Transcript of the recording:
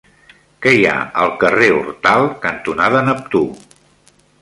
Què hi ha al carrer Hortal cantonada Neptú?